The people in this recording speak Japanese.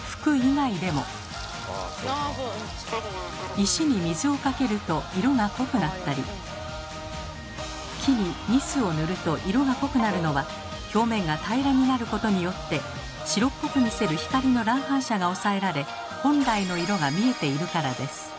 石に水をかけると色が濃くなったり木にニスを塗ると色が濃くなるのは表面が平らになることによって白っぽく見せる光の乱反射が抑えられ本来の色が見えているからです。